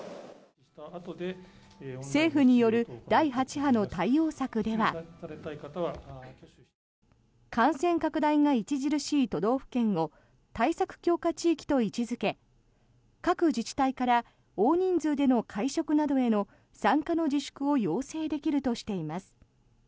政府による第８波の対応策では感染拡大が著しい都道府県を対策強化地域と位置付け各自治体から大人数での会食などへの参加の自粛を要請できるとしています。